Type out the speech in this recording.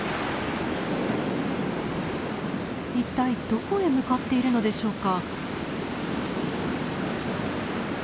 いったいどこへ向かっているのでしょうか？